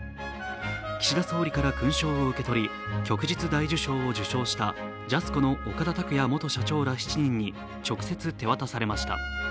岸田総理から勲章を受け取り旭日大綬章を受章したジャスコの岡田卓也元社長ら７人に直接手渡されました。